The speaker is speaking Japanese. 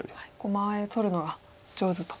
間合いをとるのが上手と。